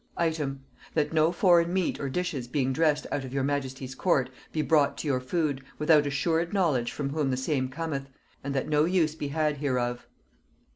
"Item. That no foreign meat or dishes being dressed out of your majesty's court, be brought to your food, without assured knowledge from whom the same cometh; and that no use be had hereof.